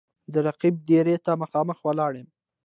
د رقیب دېرې ته مـــخامخ ولاړ یـــم